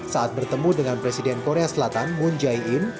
saat bertemu dengan presiden korea selatan moon jae in